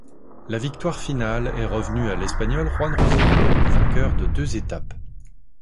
La victoire finale est revenue à l'Espagnol Juan José Cobo, vainqueur de deux étapes.